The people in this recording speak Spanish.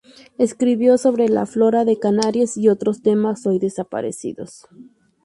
Escribió sobre la flora de Canarias y otros temas hoy desaparecidos.